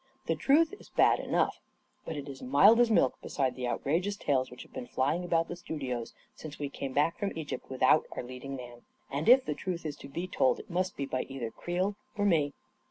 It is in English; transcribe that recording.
The truth is bad enough, but it is mild as milk beside the out rageous tales which have been flying about the studios since we came back from Egypt without our lead ing man. And if the truth is to be told, it must be » by either Creel or me.